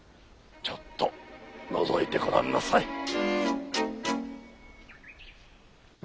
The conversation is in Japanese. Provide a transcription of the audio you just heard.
ちょっとのぞいてごらんなさい。